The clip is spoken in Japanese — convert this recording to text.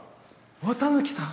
綿貫さん？